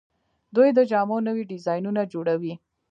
دوی د جامو نوي ډیزاینونه جوړوي.